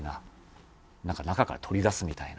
中から取り出すみたいな。